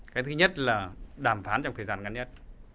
cái thứ nhất là đàm phán trong thời gian ngắn nhất